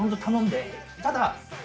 ただ。